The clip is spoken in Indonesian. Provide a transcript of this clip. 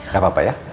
gak apa apa ya